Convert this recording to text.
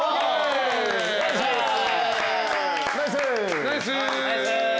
ナイス。